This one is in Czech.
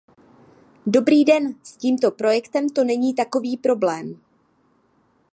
Dobrý den, s tím projektem to není takový problém.